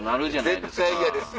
絶対嫌です。